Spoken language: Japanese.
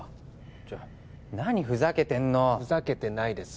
ちょっ何ふざけてんのふざけてないです